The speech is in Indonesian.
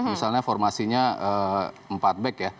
misalnya formasinya empat back ya